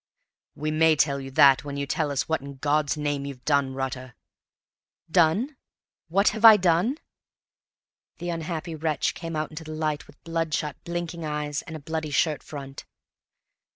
"We may tell you that, when you tell us what in God's name you've done, Rutter!" "Done? What have I done?" The unhappy wretch came out into the light with bloodshot, blinking eyes, and a bloody shirt front.